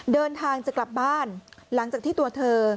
เดินทางจะกลับบ้านหลังจากที่ตัวเธอ